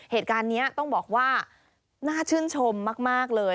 เหตุการณ์นี้ต้องบอกว่าน่าชื่นชมมากเลย